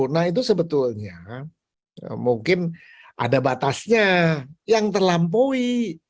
nah itu sebetulnya mungkin ada batasnya yang terlampaui